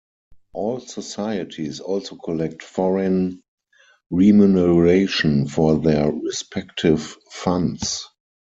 All societies also collect foreign remuneration for their respective funds.